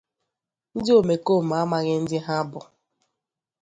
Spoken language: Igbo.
ndị omekoome ámághị ndị ha bụ